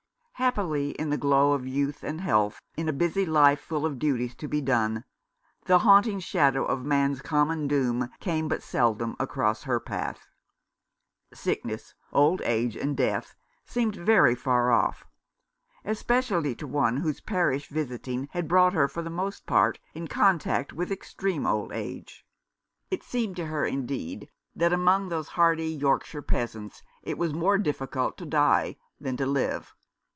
Happily, in the glow of youth and health, in a busy life full of duties to be done, the haunting shadow of man's common doom came but seldom across her path. Sickness, old age, and death seemed very far off ; especially to one whose parish visiting had brought her, for the most part, in contact with extreme old age. It seemed to her, indeed, that among those hardy Yorkshire peasants it was more difficult to die than to live.